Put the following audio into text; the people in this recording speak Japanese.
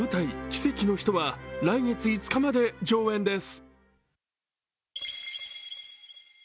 「奇跡の人」は来月５日まで上演です。